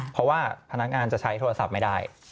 เพราะว่าพนักงานจะใช้โทรศัพท์ไม่ได้